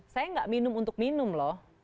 saya nggak minum untuk minum loh